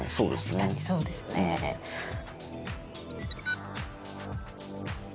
確かにそうですね。ハハハ！